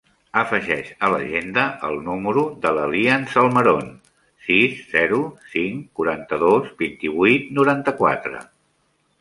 Afegeix a l'agenda el número de l'Elian Salmeron: sis, zero, cinc, quaranta-dos, vint-i-vuit, noranta-quatre.